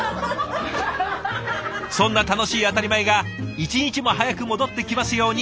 そんな楽しい当たり前が一日も早く戻ってきますように。